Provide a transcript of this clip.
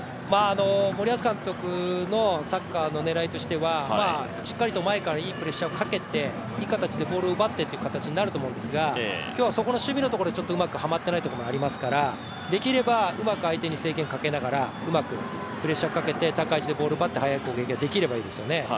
森保監督のサッカーの狙いとしては、しっかりと前からいいプレッシャーをかけていい形でボールを奪ってっていう形になると思うんですが今日は守備のところがうまくはまってないところがありますからできればうまく相手に制限をかけながらうまくプレッシャーかけて、高い位置でボールを奪って速い攻撃ができればいいですよね。